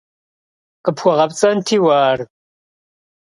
КъыпхуэгъэпцӀэнти уэ ар!